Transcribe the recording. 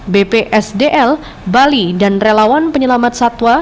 bp sdl bali dan relawan penyelamat satwa